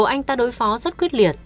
anh ta đối phó rất quyết liệt